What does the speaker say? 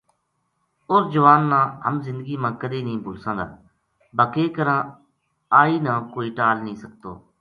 اس جوان نا ہم زندگی ما کَدے نیہہ بھُلساں گا با کے کراں آئی نا کوئی ٹال نیہہ سکتو